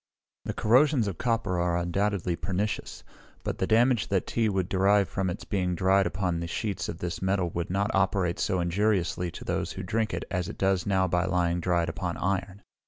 The corrosions of copper are undoubtedly pernicious; but the damage that tea would derive from its being dried upon sheets of this metal would not operate so injuriously to those who drink it as it does now by lying dried upon iron.